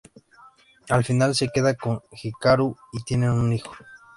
Al final se queda con Hikaru y tienen un hijo.